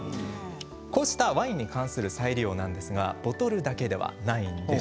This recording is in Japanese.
こうしたワインに関する再利用なんですがボトルだけではありません。